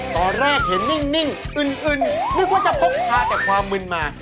ตอนแรกเห็นนิ่งอึนนึกว่าจะพกพาแต่ความมึนมา